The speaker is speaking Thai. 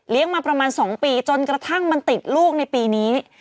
มาประมาณ๒ปีจนกระทั่งมันติดลูกในปีนี้